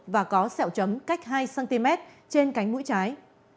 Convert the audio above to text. và có sẹo chấm cách hai cm trên cánh mũi trái